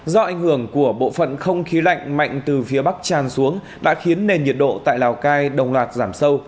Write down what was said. do ảnh hưởng của bộ phận không khí lạnh mạnh từ phía bắc tràn xuống đã khiến nền nhiệt độ tại lào cai đồng loạt giảm sâu